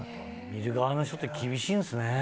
見る側の人って厳しいんですね。